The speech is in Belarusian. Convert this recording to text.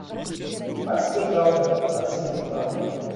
Хай сабе праўда, хай сабе няпраўда.